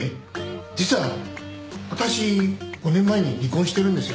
実は私５年前に離婚してるんですよ。